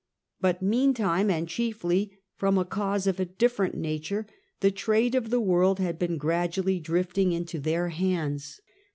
But meantime, and chiefly from a cause of a different nature, the trade of the world had been gradually drifting into their hands.